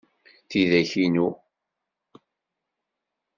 Tidak inu.